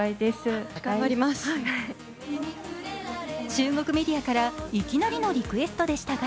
中国メディアからいきなりのリクエストでしたが